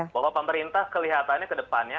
bahwa pemerintah kelihatannya ke depannya